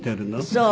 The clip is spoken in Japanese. そう。